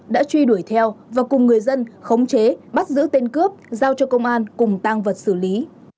đã truy đuổi theo và cùng người dân khống chế bắt giữ tên cướp giao cho công an cùng tăng vật xử lý